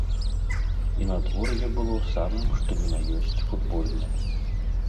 І надвор'е было самым што ні на ёсць футбольным.